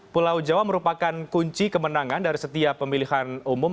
pulau jawa merupakan kunci kemenangan dari setiap pemilihan umum